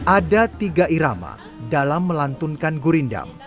ada tiga irama dalam melantunkan gurindam